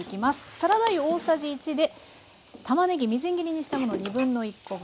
サラダ油大さじ１でたまねぎみじん切りにしたもの1/2コ分。